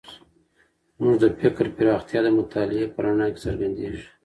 زموږ د فکر پراختیا د مطالعې په رڼا کې څرګندېږي.